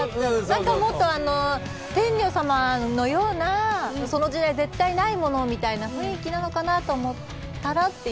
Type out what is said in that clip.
何かもっと天女様のようなその時代絶対ないものみたいな雰囲気なのかなと思ったらっていう。